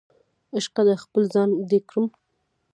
عشقه د خپل ځان دې کړم